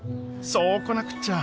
そうこなくっちゃ！